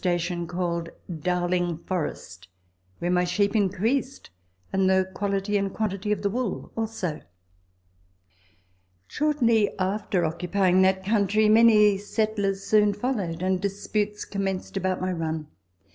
station called Dowliug Forest, where my sheep increased, and the quality and quantity of the wool also. Shortly after occupying that country, many settlers soon followed, and disputes commenced about my run.